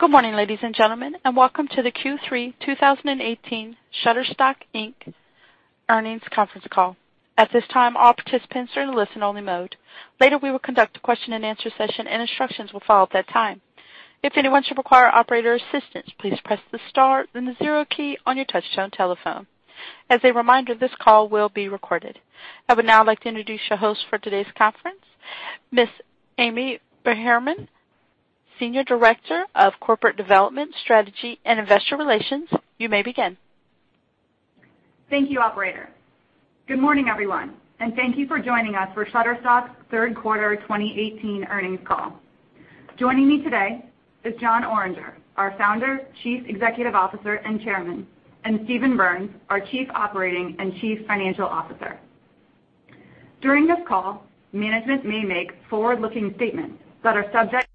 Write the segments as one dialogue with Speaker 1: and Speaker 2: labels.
Speaker 1: Good morning, ladies and gentlemen, and welcome to the Q3 2018 Shutterstock, Inc. Earnings Conference Call. At this time, all participants are in listen only mode. Later, we will conduct a question and answer session and instructions will follow at that time. If anyone should require operator assistance, please press the star then the zero key on your touchtone telephone. As a reminder, this call will be recorded. I would now like to introduce your host for today's conference, Ms. Amy Behrmann, Senior Director of Corporate Development Strategy and Investor Relations. You may begin.
Speaker 2: Thank you, operator. Good morning, everyone, and thank you for joining us for Shutterstock's third quarter 2018 earnings call. Joining me today is Jon Oringer, our founder, Chief Executive Officer, and Chairman, and Steven Berns, our Chief Operating and Chief Financial Officer. During this call, management may make forward-looking statements that are subject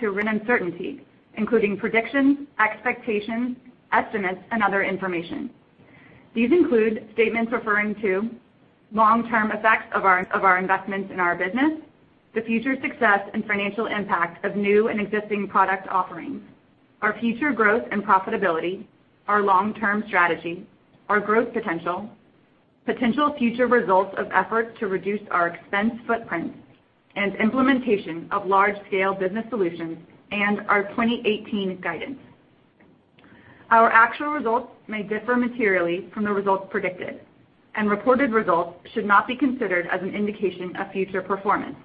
Speaker 2: to uncertainty, including predictions, expectations, estimates, and other information. These include statements referring to long term effects of our investments in our business, the future success and financial impact of new and existing product offerings, our future growth and profitability, our long term strategy, our growth potential future results of efforts to reduce our expense footprint, and implementation of large scale business solutions and our 2018 guidance. Our actual results may differ materially from the results predicted, and reported results should not be considered as an indication of future performance.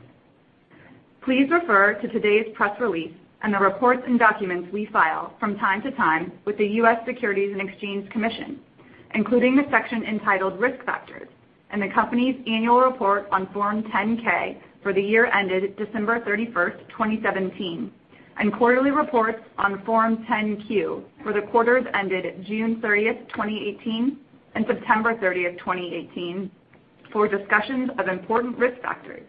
Speaker 2: Please refer to today's press release and the reports and documents we file from time to time with the U.S. Securities and Exchange Commission, including the section entitled Risk Factors and the company's annual report on Form 10-K for the year ended December 31st, 2017, and quarterly reports on Form 10-Q for the quarters ended June 30th, 2018 and September 30th, 2018 for discussions of important risk factors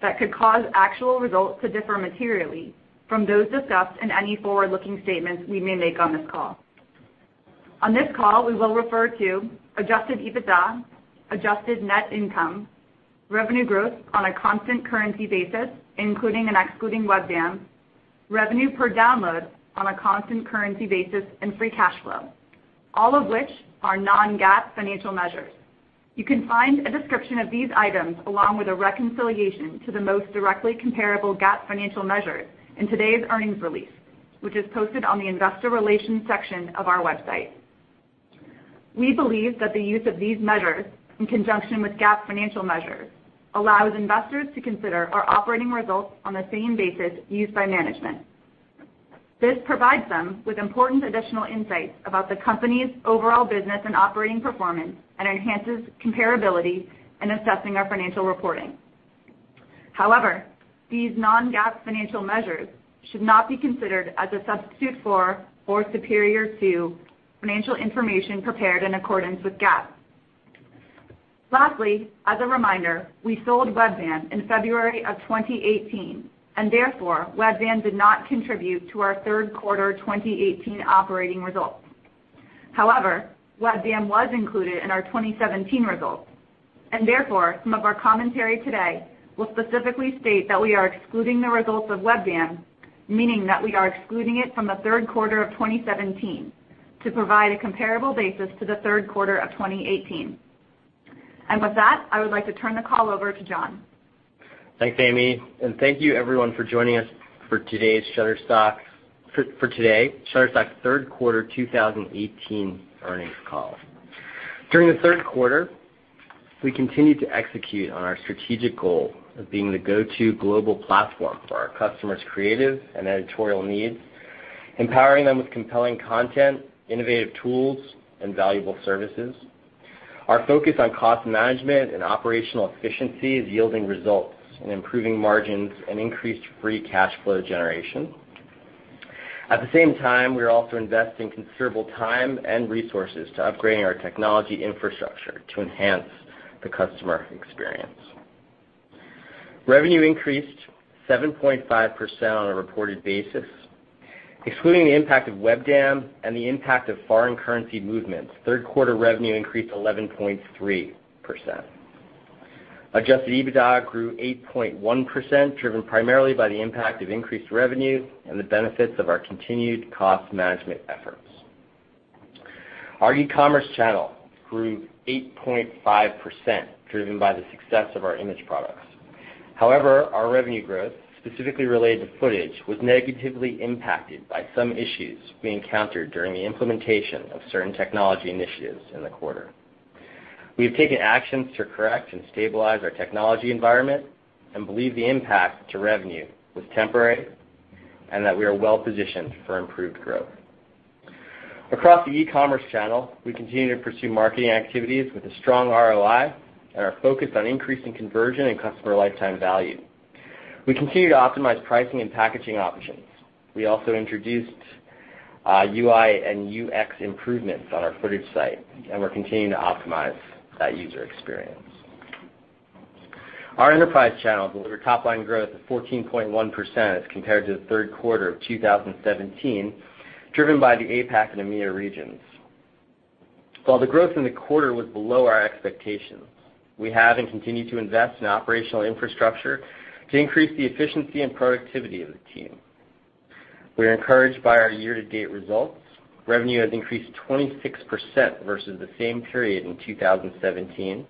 Speaker 2: that could cause actual results to differ materially from those discussed in any forward-looking statements we may make on this call. On this call, we will refer to adjusted EBITDA, adjusted net income, revenue growth on a constant currency basis, including and excluding Webdam, revenue per download on a constant currency basis, and free cash flow, all of which are non-GAAP financial measures. You can find a description of these items along with a reconciliation to the most directly comparable GAAP financial measures in today's earnings release, which is posted on the investor relations section of our website. We believe that the use of these measures in conjunction with GAAP financial measures allows investors to consider our operating results on the same basis used by management. This provides them with important additional insights about the company's overall business and operating performance and enhances comparability in assessing our financial reporting. However, these non-GAAP financial measures should not be considered as a substitute for or superior to financial information prepared in accordance with GAAP. Lastly, as a reminder, we sold Webdam in February of 2018 and therefore, Webdam did not contribute to our third quarter 2018 operating results. However, Webdam was included in our 2017 results, and therefore, some of our commentary today will specifically state that we are excluding the results of Webdam, meaning that we are excluding it from the third quarter of 2017 to provide a comparable basis to the third quarter of 2018. With that, I would like to turn the call over to Jon.
Speaker 3: Thanks, Amy, and thank you everyone for joining us for today, Shutterstock's third quarter 2018 earnings call. During the third quarter, we continued to execute on our strategic goal of being the go-to global platform for our customers' creative and editorial needs, empowering them with compelling content, innovative tools, and valuable services. Our focus on cost management and operational efficiency is yielding results in improving margins and increased free cash flow generation. At the same time, we are also investing considerable time and resources to upgrading our technology infrastructure to enhance the customer experience. Revenue increased 7.5% on a reported basis. Excluding the impact of Webdam and the impact of foreign currency movements, third quarter revenue increased 11.3%. Adjusted EBITDA grew 8.1%, driven primarily by the impact of increased revenue and the benefits of our continued cost management efforts. Our e-commerce channel grew 8.5%, driven by the success of our image products. However, our revenue growth, specifically related to footage, was negatively impacted by some issues we encountered during the implementation of certain technology initiatives in the quarter. We have taken actions to correct and stabilize our technology environment and believe the impact to revenue was temporary and that we are well positioned for improved growth. Across the e-commerce channel, we continue to pursue marketing activities with a strong ROI and are focused on increasing conversion and customer lifetime value. We continue to optimize pricing and packaging options. We also introduced UI and UX improvements on our footage site, and we're continuing to optimize that user experience. Our enterprise channel delivered top line growth of 14.1% as compared to the third quarter of 2017, driven by the APAC and EMEA regions. While the growth in the quarter was below our expectations, we have and continue to invest in operational infrastructure to increase the efficiency and productivity of the team. We are encouraged by our year-to-date results. Revenue has increased 26% versus the same period in 2017,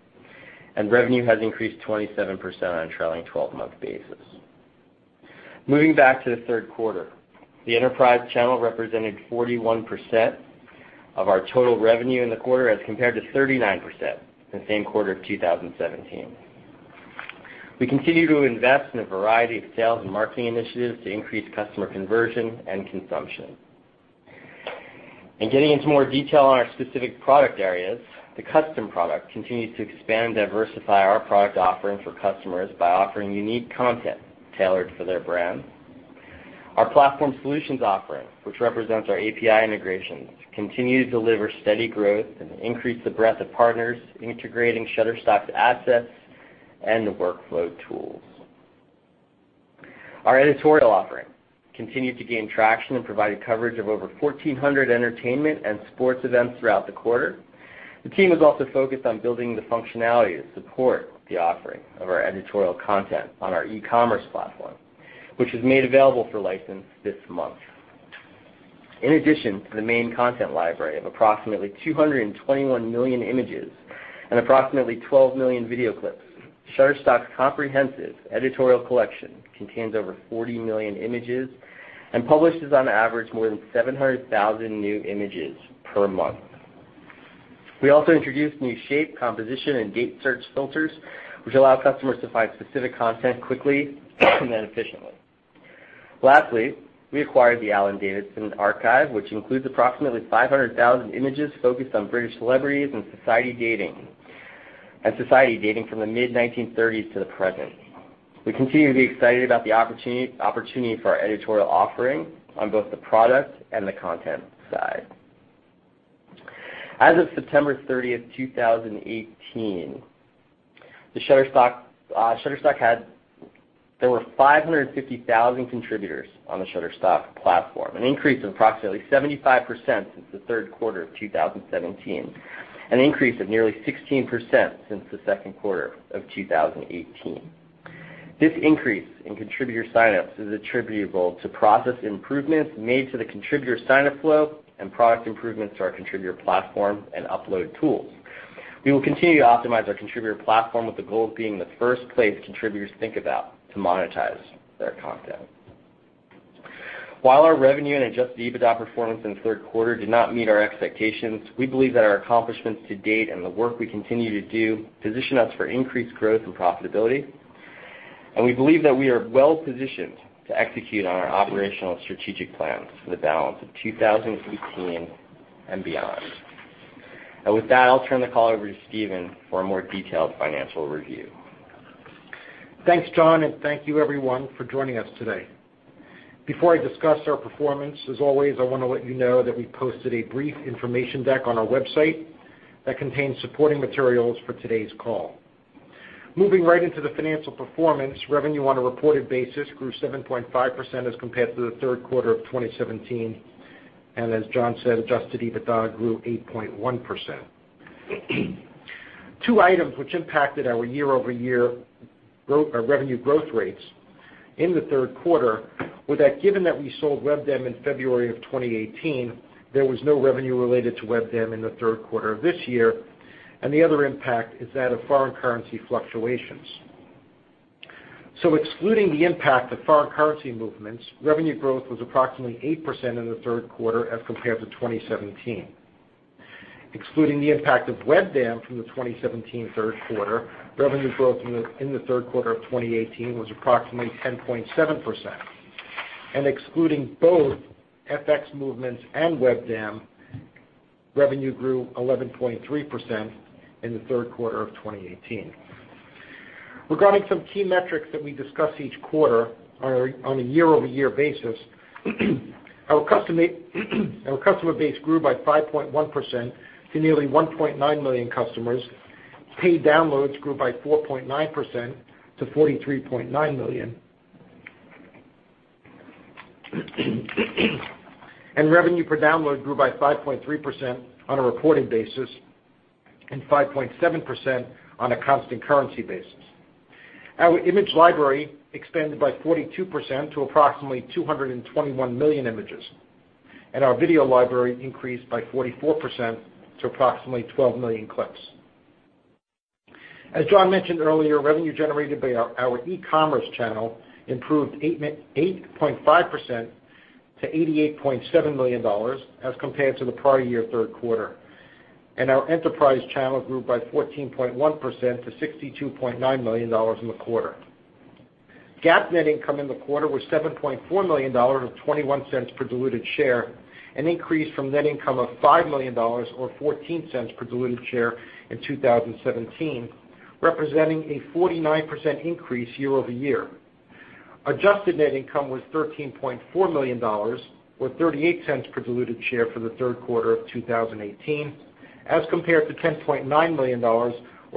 Speaker 3: and revenue has increased 27% on a trailing 12-month basis. Moving back to the third quarter, the enterprise channel represented 41% of our total revenue in the quarter as compared to 39% in the same quarter of 2017. We continue to invest in a variety of sales and marketing initiatives to increase customer conversion and consumption. Getting into more detail on our specific product areas, the custom product continues to expand and diversify our product offering for customers by offering unique content tailored for their brand. Our platform solutions offering, which represents our API integrations, continue to deliver steady growth and increase the breadth of partners integrating Shutterstock's assets and the workflow tools. Our editorial offering continued to gain traction and provided coverage of over 1,400 entertainment and sports events throughout the quarter. The team is also focused on building the functionality to support the offering of our editorial content on our e-commerce platform, which was made available for license this month. In addition to the main content library of approximately 221 million images and approximately 12 million video clips, Shutterstock's comprehensive editorial collection contains over 40 million images and publishes on average more than 700,000 new images per month. We also introduced new shape, composition, and date search filters, which allow customers to find specific content quickly and efficiently. Lastly, we acquired the Alan Davidson Archive, which includes approximately 500,000 images focused on British celebrities and society dating from the mid-1930s to the present. We continue to be excited about the opportunity for our editorial offering on both the product and the content side. As of September 30th, 2018, there were 550,000 contributors on the Shutterstock platform, an increase of approximately 75% since the third quarter of 2017, an increase of nearly 16% since the second quarter of 2018. This increase in contributor sign-ups is attributable to process improvements made to the contributor sign-up flow and product improvements to our contributor platform and upload tools. We will continue to optimize our contributor platform with the goal of being the first place contributors think about to monetize their content. While our revenue and adjusted EBITDA performance in the third quarter did not meet our expectations, we believe that our accomplishments to date and the work we continue to do position us for increased growth and profitability, and we believe that we are well-positioned to execute on our operational strategic plans for the balance of 2018 and beyond. With that, I'll turn the call over to Steven for a more detailed financial review.
Speaker 4: Thanks, Jon, and thank you everyone for joining us today. Before I discuss our performance, as always, I want to let you know that we posted a brief information deck on our website that contains supporting materials for today's call. Moving right into the financial performance, revenue on a reported basis grew 7.5% as compared to the third quarter of 2017, and as Jon said, adjusted EBITDA grew 8.1%. Two items which impacted our year-over-year revenue growth rates in the third quarter were that given that we sold Webdam in February of 2018, there was no revenue related to Webdam in the third quarter of this year, and the other impact is that of foreign currency fluctuations. Excluding the impact of foreign currency movements, revenue growth was approximately 8% in the third quarter as compared to 2017. Excluding the impact of Webdam from the 2017 third quarter, revenue growth in the third quarter of 2018 was approximately 10.7%, and excluding both FX movements and Webdam, revenue grew 11.3% in the third quarter of 2018. Regarding some key metrics that we discuss each quarter on a year-over-year basis, our customer base grew by 5.1% to nearly 1.9 million customers. Paid downloads grew by 4.9% to 43.9 million. Revenue per download grew by 5.3% on a reported basis and 5.7% on a constant currency basis. Our image library expanded by 42% to approximately 221 million images, and our video library increased by 44% to approximately 12 million clips. As Jon mentioned earlier, revenue generated by our e-commerce channel improved 8.5% to $88.7 million as compared to the prior year third quarter, and our enterprise channel grew by 14.1% to $62.9 million in the quarter. GAAP net income in the quarter was $7.4 million, or $0.21 per diluted share, an increase from net income of $5 million or $0.14 per diluted share in 2017, representing a 49% increase year-over-year. Adjusted net income was $13.4 million, or $0.38 per diluted share for the third quarter of 2018, as compared to $10.9 million or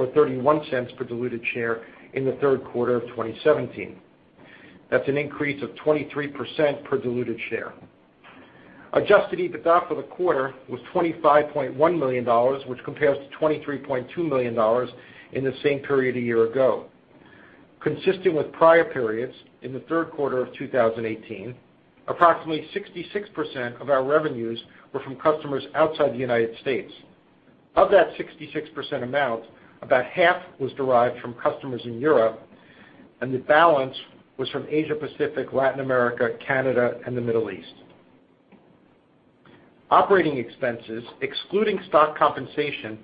Speaker 4: $0.31 per diluted share in the third quarter of 2017. That's an increase of 23% per diluted share. Adjusted EBITDA for the quarter was $25.1 million, which compares to $23.2 million in the same period a year ago. Consistent with prior periods, in the third quarter of 2018, approximately 66% of our revenues were from customers outside the U.S. Of that 66% amount, about half was derived from customers in Europe, and the balance was from Asia-Pacific, Latin America, Canada, and the Middle East. Operating expenses, excluding stock compensation,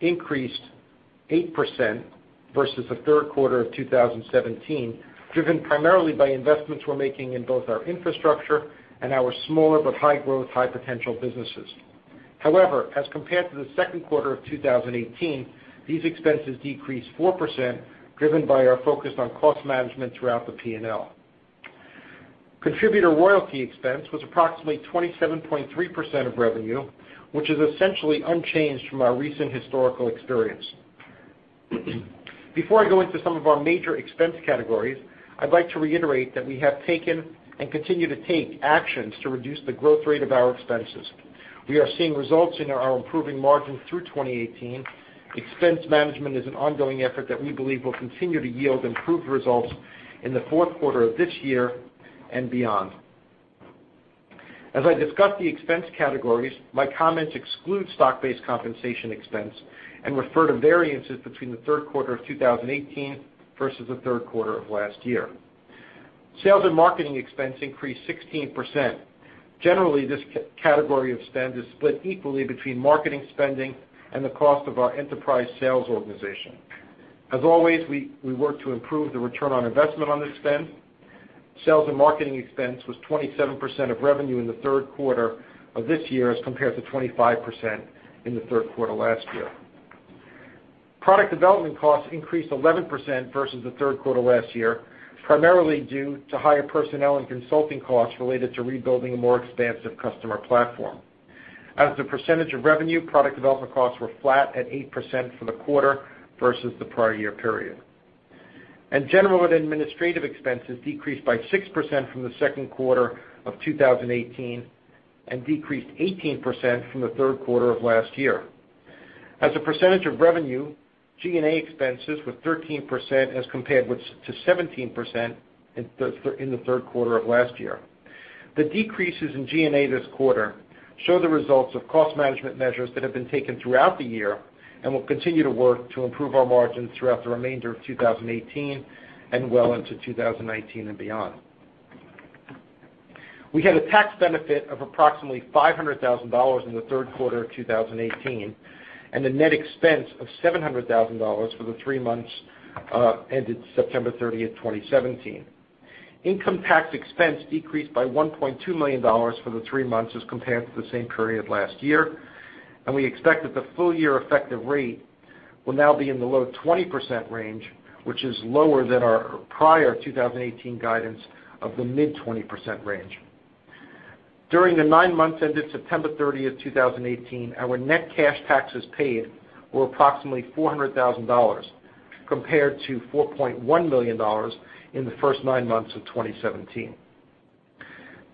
Speaker 4: increased 8% versus the third quarter of 2017, driven primarily by investments we're making in both our infrastructure and our smaller but high-growth, high-potential businesses. However, as compared to the second quarter of 2018, these expenses decreased 4%, driven by our focus on cost management throughout the P&L. Contributor royalty expense was approximately 27.3% of revenue, which is essentially unchanged from our recent historical experience. Before I go into some of our major expense categories, I'd like to reiterate that we have taken and continue to take actions to reduce the growth rate of our expenses. We are seeing results in our improving margins through 2018. Expense management is an ongoing effort that we believe will continue to yield improved results in the fourth quarter of this year and beyond. As I discuss the expense categories, my comments exclude stock-based compensation expense and refer to variances between the third quarter of 2018 versus the third quarter of last year. Sales and marketing expense increased 16%. Generally, this category of spend is split equally between marketing spending and the cost of our enterprise sales organization. As always, we work to improve the return on investment on this spend. Sales and marketing expense was 27% of revenue in the third quarter of this year, as compared to 25% in the third quarter last year. Product development costs increased 11% versus the third quarter last year, primarily due to higher personnel and consulting costs related to rebuilding a more expansive customer platform. As a percentage of revenue, product development costs were flat at 8% for the quarter versus the prior year period. General and administrative expenses decreased by 6% from the second quarter of 2018 and decreased 18% from the third quarter of last year. As a percentage of revenue, G&A expenses were 13%, as compared to 17% in the third quarter of last year. The decreases in G&A this quarter show the results of cost management measures that have been taken throughout the year and will continue to work to improve our margins throughout the remainder of 2018 and well into 2019 and beyond. We had a tax benefit of approximately $500,000 in the third quarter of 2018 and a net expense of $700,000 for the three months ended September 30, 2017. Income tax expense decreased by $1.2 million for the three months as compared to the same period last year. We expect that the full-year effective rate will now be in the low 20% range, which is lower than our prior 2018 guidance of the mid-20% range. During the nine months ended September 30, 2018, our net cash taxes paid were approximately $400,000 compared to $4.1 million in the first nine months of 2017.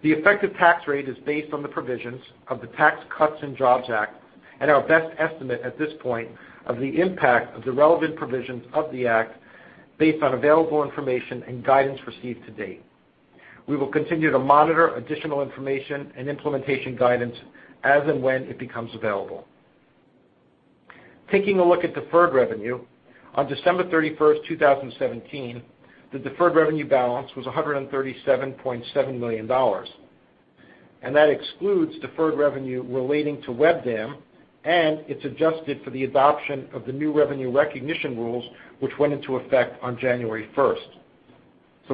Speaker 4: The effective tax rate is based on the provisions of the Tax Cuts and Jobs Act and our best estimate at this point of the impact of the relevant provisions of the Act based on available information and guidance received to date. We will continue to monitor additional information and implementation guidance as and when it becomes available. Taking a look at deferred revenue, on December 31, 2017, the deferred revenue balance was $137.7 million. That excludes deferred revenue relating to Webdam, and it's adjusted for the adoption of the new revenue recognition rules, which went into effect on January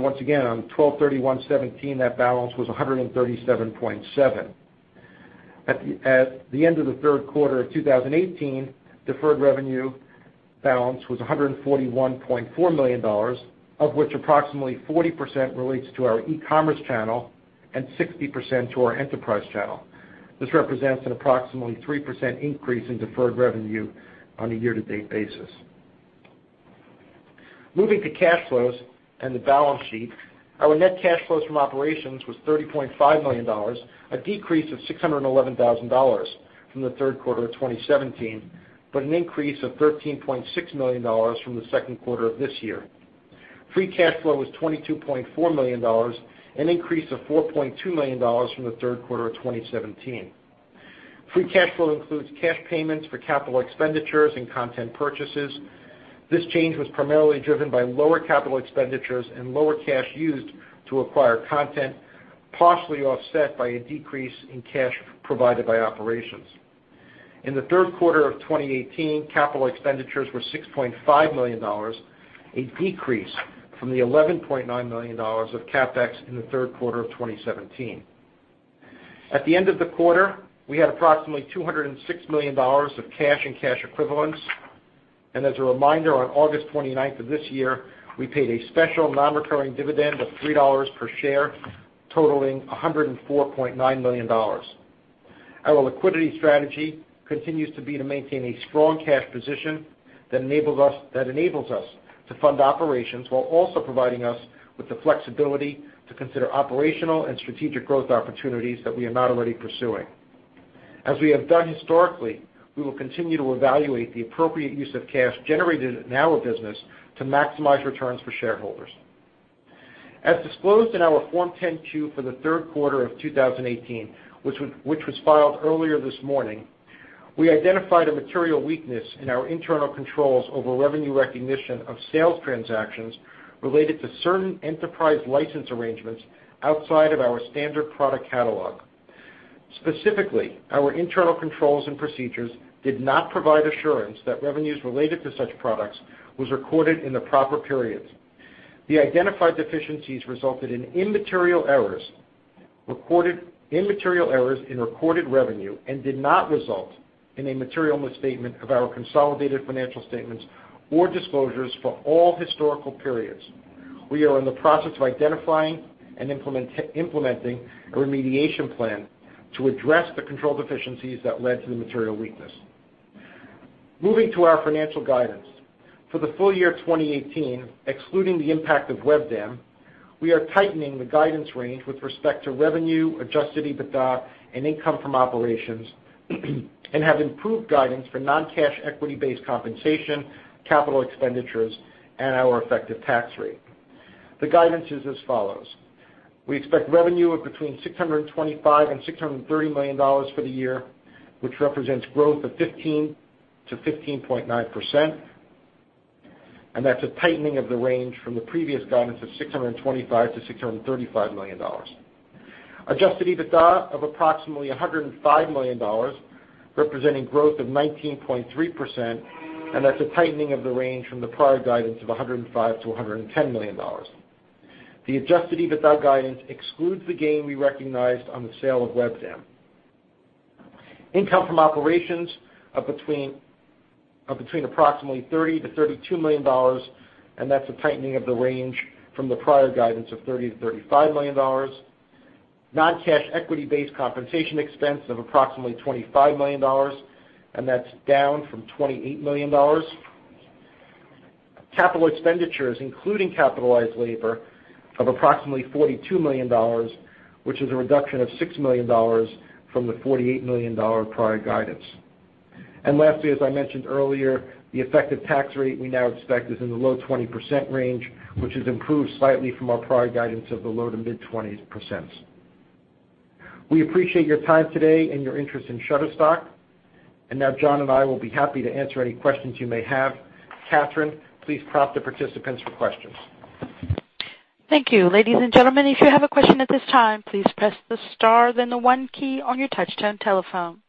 Speaker 4: 1. Once again, on 12/31/2017, that balance was $137.7 million. At the end of the third quarter of 2018, deferred revenue balance was $141.4 million, of which approximately 40% relates to our e-commerce channel and 60% to our enterprise channel. This represents an approximately 3% increase in deferred revenue on a year-to-date basis. Moving to cash flows and the balance sheet, our net cash flows from operations was $30.5 million, a decrease of $611,000 from the third quarter of 2017, an increase of $13.6 million from the second quarter of this year. Free cash flow was $22.4 million, an increase of $4.2 million from the third quarter of 2017. Free cash flow includes cash payments for capital expenditures and content purchases. This change was primarily driven by lower capital expenditures and lower cash used to acquire content, partially offset by a decrease in cash provided by operations. In the third quarter of 2018, capital expenditures were $6.5 million, a decrease from the $11.9 million of CapEx in the third quarter of 2017. At the end of the quarter, we had approximately $206 million of cash and cash equivalents. As a reminder, on August 29th of this year, we paid a special non-recurring dividend of $3 per share, totaling $104.9 million. Our liquidity strategy continues to be to maintain a strong cash position that enables us to fund operations while also providing us with the flexibility to consider operational and strategic growth opportunities that we are not already pursuing. As we have done historically, we will continue to evaluate the appropriate use of cash generated in our business to maximize returns for shareholders. As disclosed in our Form 10-Q for the third quarter of 2018, which was filed earlier this morning, we identified a material weakness in our internal controls over revenue recognition of sales transactions related to certain enterprise license arrangements outside of our standard product catalog. Specifically, our internal controls and procedures did not provide assurance that revenues related to such products was recorded in the proper periods. The identified deficiencies resulted in immaterial errors in recorded revenue and did not result in a material misstatement of our consolidated financial statements or disclosures for all historical periods. We are in the process of identifying and implementing a remediation plan to address the control deficiencies that led to the material weakness. Moving to our financial guidance. For the full year 2018, excluding the impact of Webdam, we are tightening the guidance range with respect to revenue, adjusted EBITDA, and income from operations, and have improved guidance for non-cash equity-based compensation, capital expenditures, and our effective tax rate. The guidance is as follows. We expect revenue of between $625 million and $630 million for the year, which represents growth of 15%-15.9%, that's a tightening of the range from the previous guidance of $625 million-$635 million. Adjusted EBITDA of approximately $105 million, representing growth of 19.3%, that's a tightening of the range from the prior guidance of $105 million-$110 million. The adjusted EBITDA guidance excludes the gain we recognized on the sale of Webdam. Income from operations of between approximately $30 million-$32 million, that's a tightening of the range from the prior guidance of $30 million-$35 million. Non-cash equity-based compensation expense of approximately $25 million, that's down from $28 million. Capital expenditures including capitalized labor of approximately $42 million, which is a reduction of $6 million from the $48 million prior guidance. Lastly, as I mentioned earlier, the effective tax rate we now expect is in the low 20% range, which has improved slightly from our prior guidance of the low to mid-20s%. We appreciate your time today and your interest in Shutterstock. Now Jon and I will be happy to answer any questions you may have. Catherine, please prompt the participants for questions.
Speaker 1: Thank you. Ladies and gentlemen, if you have a question at this time, please press the star then the one key on your touch-tone telephone.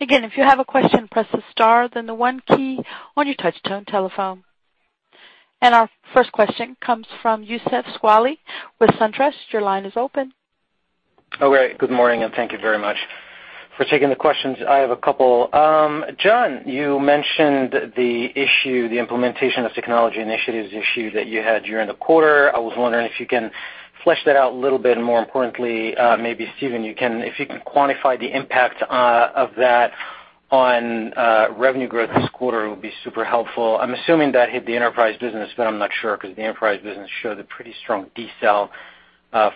Speaker 1: Again, if you have a question, press the star then the one key on your touch-tone telephone. Our first question comes from Youssef Squali with SunTrust. Your line is open.
Speaker 5: Okay. Good morning. Thank you very much for taking the questions. I have a couple. Jon, you mentioned the issue, the implementation of technology initiatives issue that you had during the quarter. I was wondering if you can flesh that out a little bit, and more importantly maybe, Steven, if you can quantify the impact of that on revenue growth this quarter, it would be super helpful. I'm assuming that hit the enterprise business, but I'm not sure because the enterprise business showed a pretty strong decel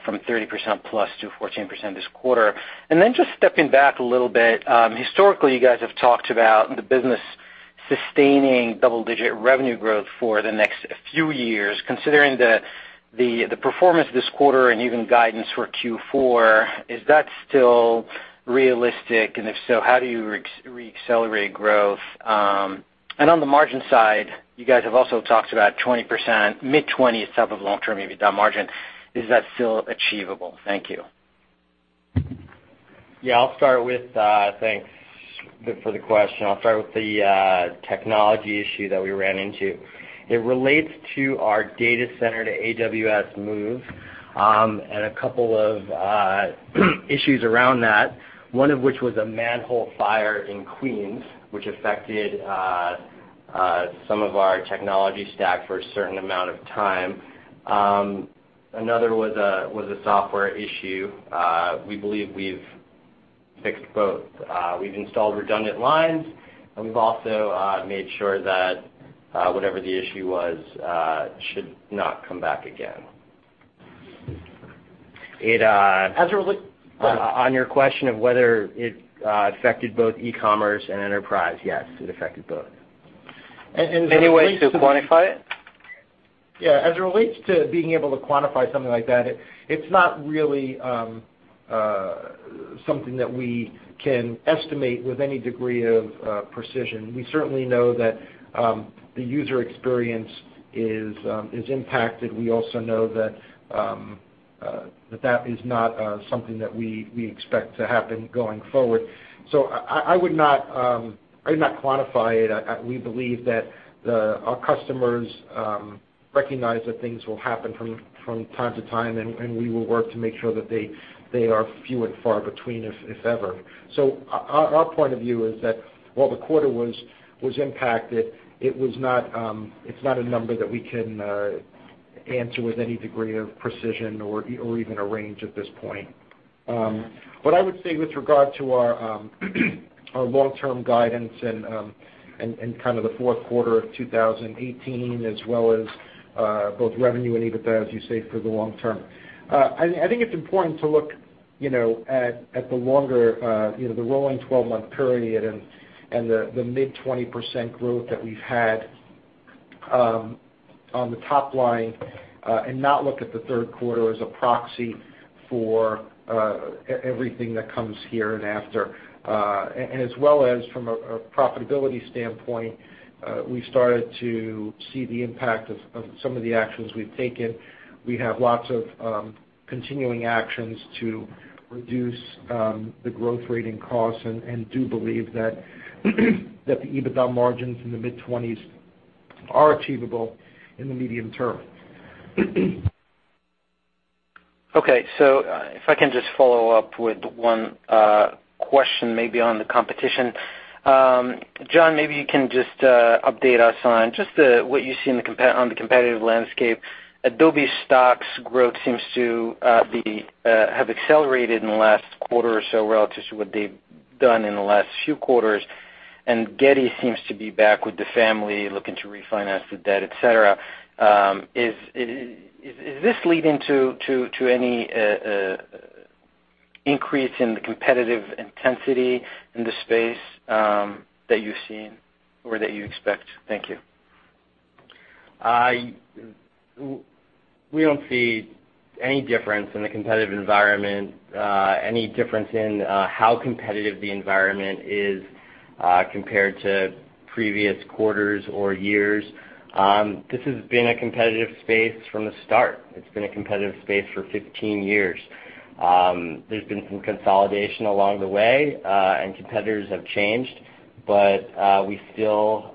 Speaker 5: from 30%+ to 14% this quarter. Then just stepping back a little bit. Historically, you guys have talked about the business sustaining double-digit revenue growth for the next few years. Considering the performance this quarter and even guidance for Q4, is that still realistic? If so, how do you re-accelerate growth? On the margin side, you guys have also talked about 20%, mid-20s type of long-term EBITDA margin. Is that still achievable? Thank you.
Speaker 3: Yeah. Thanks for the question. I'll start with the technology issue that we ran into. It relates to our data center to AWS move, a couple of issues around that, one of which was a manhole fire in Queens, which affected some of our technology stack for a certain amount of time. Another was a software issue. We believe we've fixed both. We've installed redundant lines. We've also made sure that whatever the issue was should not come back again.
Speaker 4: As it relates-
Speaker 3: On your question of whether it affected both e-commerce and enterprise, yes, it affected both.
Speaker 5: Any way to quantify it?
Speaker 4: Yeah. As it relates to being able to quantify something like that, it's not really something that we can estimate with any degree of precision. We certainly know that the user experience is impacted. We also know that is not something that we expect to happen going forward. I would not quantify it. We believe that our customers recognize that things will happen from time to time, and we will work to make sure that they are few and far between, if ever. Our point of view is that while the quarter was impacted, it's not a number that we can answer with any degree of precision or even a range at this point. What I would say with regard to our long-term guidance and the fourth quarter of 2018, as well as both revenue and EBITDA, as you say, for the long term. I think it's important to look at the rolling 12-month period and the mid-20% growth that we've had on the top line and not look at the third quarter as a proxy for everything that comes here and after. As well as from a profitability standpoint, we started to see the impact of some of the actions we've taken. We have lots of continuing actions to reduce the growth rate in costs and do believe that the EBITDA margins in the mid-20s are achievable in the medium term.
Speaker 5: Okay. If I can just follow up with one question maybe on the competition. Jon, maybe you can just update us on just what you see on the competitive landscape. Adobe Stock's growth seems to have accelerated in the last quarter or so relative to what they've done in the last few quarters. Getty seems to be back with the family looking to refinance the debt, et cetera. Is this leading to any increase in the competitive intensity in the space that you've seen or that you expect? Thank you.
Speaker 3: We don't see any difference in the competitive environment, any difference in how competitive the environment is compared to previous quarters or years. This has been a competitive space from the start. It's been a competitive space for 15 years. There's been some consolidation along the way. Competitors have changed, but we still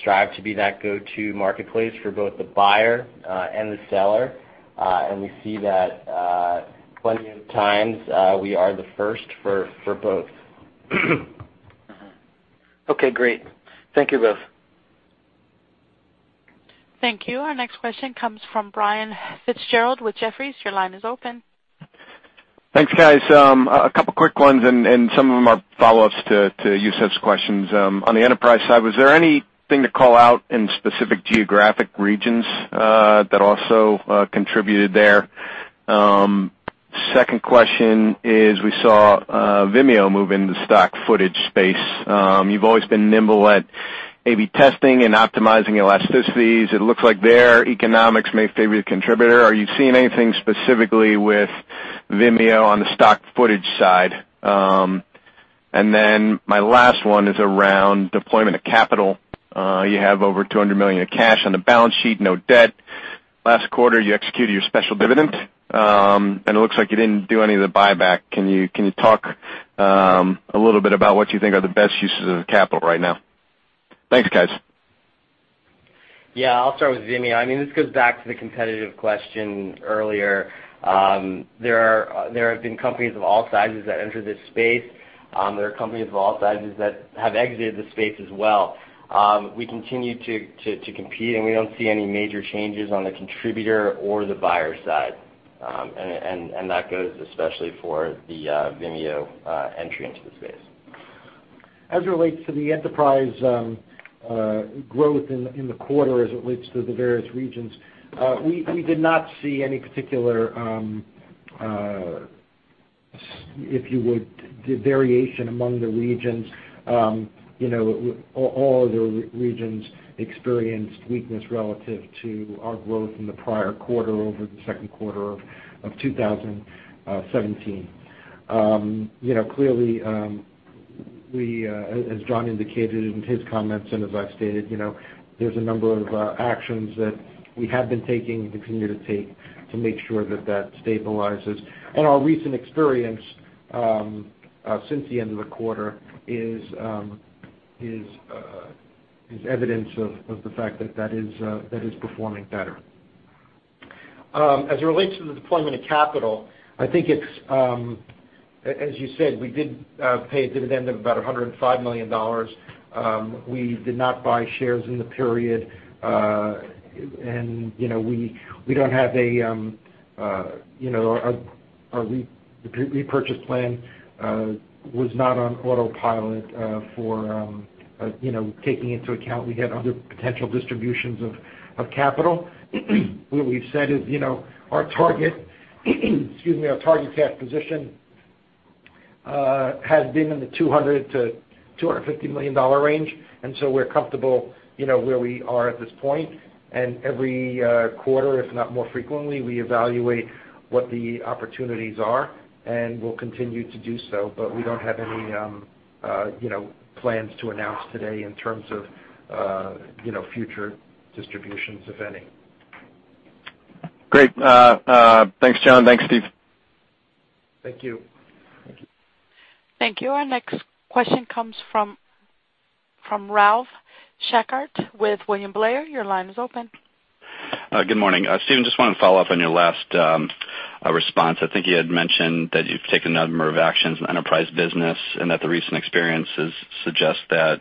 Speaker 3: strive to be that go-to marketplace for both the buyer and the seller. We see that plenty of times we are the first for both.
Speaker 5: Okay, great. Thank you both.
Speaker 1: Thank you. Our next question comes from Brian Fitzgerald with Jefferies. Your line is open.
Speaker 6: Thanks, guys. A couple of quick ones and some of them are follow-ups to Youssef's questions. On the enterprise side, was there anything to call out in specific geographic regions that also contributed there? Second question is, we saw Vimeo move into stock footage space. You've always been nimble at A/B testing and optimizing elasticities. It looks like their economics may favor your contributor. Are you seeing anything specifically with Vimeo on the stock footage side? My last one is around deployment of capital. You have over $200 million of cash on the balance sheet, no debt. Last quarter, you executed your special dividend, and it looks like you didn't do any of the buyback. Can you talk a little bit about what you think are the best uses of the capital right now? Thanks, guys.
Speaker 3: Yeah, I'll start with Vimeo. This goes back to the competitive question earlier. There have been companies of all sizes that enter this space. There are companies of all sizes that have exited the space as well. We continue to compete, and we don't see any major changes on the contributor or the buyer side. That goes especially for the Vimeo entry into the space.
Speaker 4: As it relates to the enterprise growth in the quarter, as it relates to the various regions, we did not see any particular, if you would, variation among the regions. All the regions experienced weakness relative to our growth in the prior quarter over the second quarter of 2017. Clearly, as Jon indicated in his comments and as I've stated, there's a number of actions that we have been taking and continue to take to make sure that that stabilizes. Our recent experience since the end of the quarter is evidence of the fact that that is performing better. As it relates to the deployment of capital, I think it's, as you said, we did pay a dividend of about $105 million. We did not buy shares in the period, and we don't have a repurchase plan, was not on autopilot for taking into account we had other potential distributions of capital. What we've said is our target cash position has been in the $200 million-$250 million range. We're comfortable where we are at this point. Every quarter, if not more frequently, we evaluate what the opportunities are, and we'll continue to do so, but we don't have any plans to announce today in terms of future distributions, if any.
Speaker 6: Great. Thanks, Jon. Thanks, Steven.
Speaker 4: Thank you.
Speaker 3: Thank you.
Speaker 1: Thank you. Our next question comes from Ralph Schackart with William Blair. Your line is open.
Speaker 7: Good morning. Steven, just want to follow up on your last response. I think you had mentioned that you've taken a number of actions in enterprise business, that the recent experiences suggest that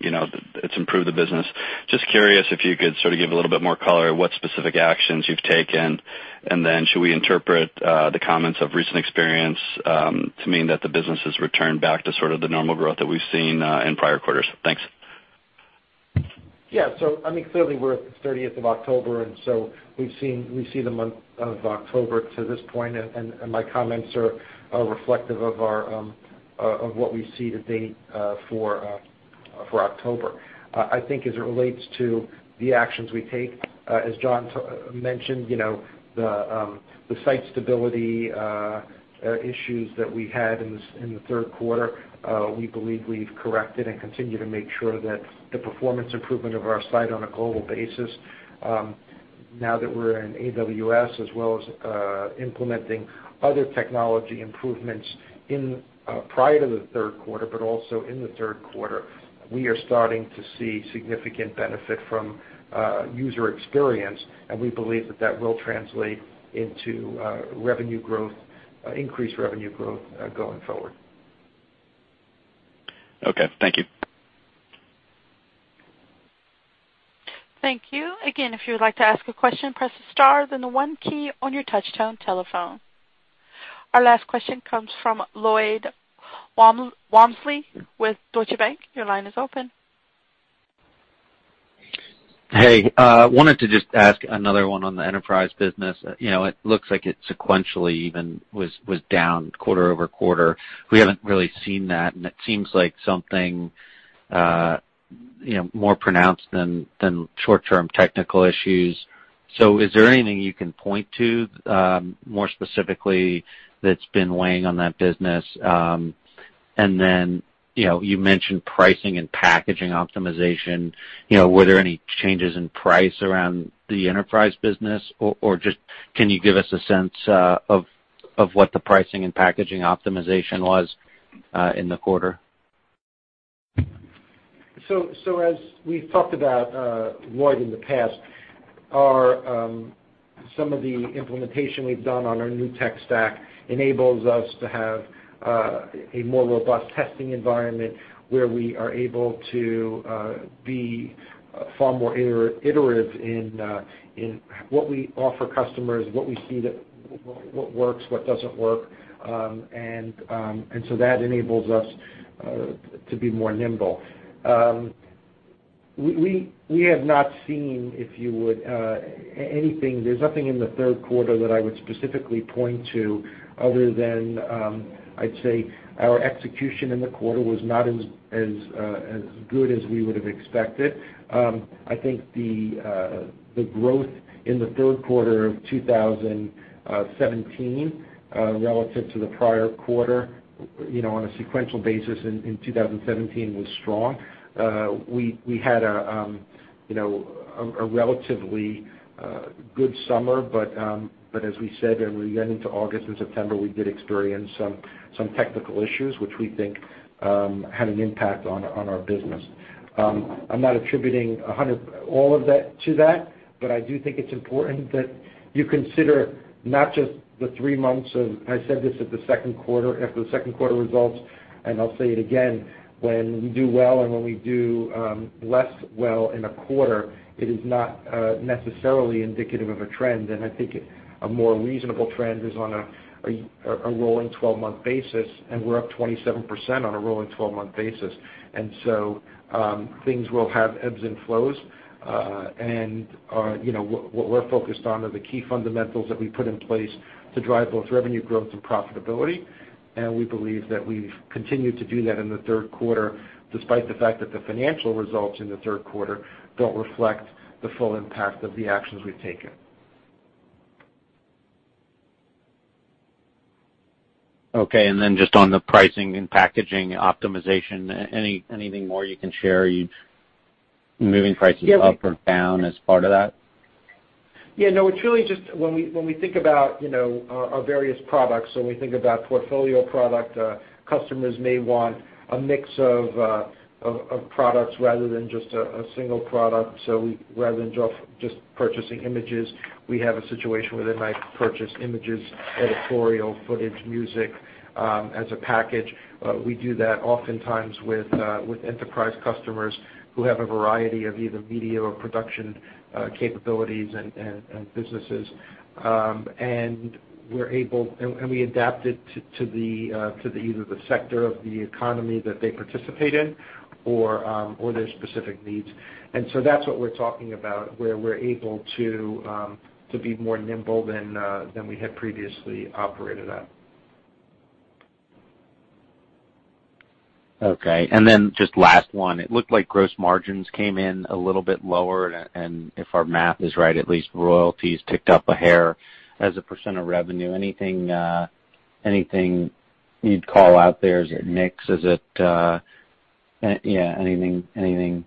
Speaker 7: it's improved the business. Just curious if you could sort of give a little bit more color, what specific actions you've taken, should we interpret the comments of recent experience to mean that the business has returned back to sort of the normal growth that we've seen in prior quarters? Thanks.
Speaker 4: Yeah. Clearly we're at the 30th of October, we've seen the month of October to this point, my comments are reflective of what we see to date for October. I think as it relates to the actions we take, as Jon mentioned, the site stability issues that we had in the third quarter, we believe we've corrected and continue to make sure that the performance improvement of our site on a global basis, now that we're in AWS, as well as implementing other technology improvements prior to the third quarter, also in the third quarter. We are starting to see significant benefit from user experience, we believe that that will translate into increased revenue growth going forward.
Speaker 7: Okay, thank you.
Speaker 1: Thank you. Again, if you would like to ask a question, press the star, then the one key on your touch-tone telephone. Our last question comes from Lloyd Walmsley with Deutsche Bank. Your line is open.
Speaker 8: Hey, wanted to just ask another one on the enterprise business. It looks like it sequentially even was down quarter-over-quarter. We haven't really seen that, and it seems like something more pronounced than short-term technical issues. Is there anything you can point to more specifically that's been weighing on that business? You mentioned pricing and packaging optimization. Were there any changes in price around the enterprise business, or just can you give us a sense of what the pricing and packaging optimization was in the quarter?
Speaker 4: As we've talked about, Lloyd, in the past, some of the implementation we've done on our new tech stack enables us to have a more robust testing environment where we are able to be far more iterative in what we offer customers, what we see, what works, what doesn't work. That enables us to be more nimble. We have not seen anything, there's nothing in the third quarter that I would specifically point to other than, I'd say our execution in the quarter was not as good as we would've expected. I think the growth in the third quarter of 2017 relative to the prior quarter on a sequential basis in 2017 was strong. We had a relatively good summer, but as we said, when we got into August and September, we did experience some technical issues which we think had an impact on our business. I'm not attributing all of that to that, I do think it's important that you consider not just the three months of, I said this at the second quarter, after the second quarter results, I'll say it again, when we do well and when we do less well in a quarter, it is not necessarily indicative of a trend. I think a more reasonable trend is on a rolling 12-month basis, and we're up 27% on a rolling 12-month basis. Things will have ebbs and flows. What we're focused on are the key fundamentals that we put in place to drive both revenue growth and profitability. We believe that we've continued to do that in the third quarter, despite the fact that the financial results in the third quarter don't reflect the full impact of the actions we've taken.
Speaker 8: Okay, just on the pricing and packaging optimization, anything more you can share? Are you moving prices up or down as part of that?
Speaker 4: Yeah, no. When we think about our various products, when we think about portfolio product, customers may want a mix of products rather than just a single product. Rather than just purchasing images, we have a situation where they might purchase images, editorial footage, music, as a package. We do that oftentimes with enterprise customers who have a variety of either media or production capabilities and businesses. We adapt it to either the sector of the economy that they participate in or their specific needs. That's what we're talking about, where we're able to be more nimble than we had previously operated at.
Speaker 8: Okay. Just last one. It looked like gross margins came in a little bit lower, and if our math is right, at least royalties ticked up a hair as a percent of revenue. Anything you'd call out there? Is it mix? Yeah, anything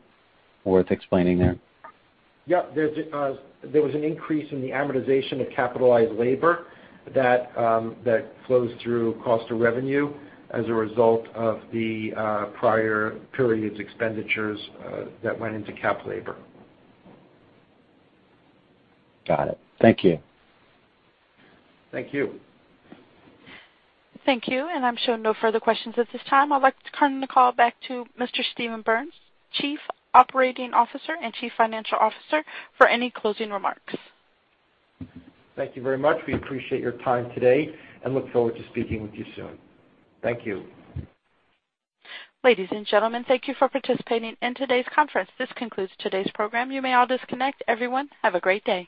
Speaker 8: worth explaining there?
Speaker 4: Yeah. There was an increase in the amortization of capitalized labor that flows through cost of revenue as a result of the prior period's expenditures that went into capitalized labor.
Speaker 8: Got it. Thank you.
Speaker 4: Thank you.
Speaker 1: Thank you. I'm showing no further questions at this time. I'd like to turn the call back to Mr. Steven Berns, Chief Operating Officer and Chief Financial Officer, for any closing remarks.
Speaker 4: Thank you very much. We appreciate your time today and look forward to speaking with you soon. Thank you.
Speaker 1: Ladies and gentlemen, thank you for participating in today's conference. This concludes today's program. You may all disconnect. Everyone, have a great day.